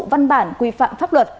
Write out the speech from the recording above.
văn bản quy phạm pháp luật